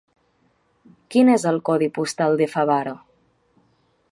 Quin és el codi postal de Favara?